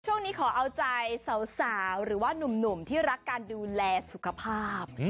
ช่วงนี้ขอเอาใจสาวหรือว่านุ่มที่รักการดูแลสุขภาพ